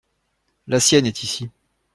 La sienne est ici.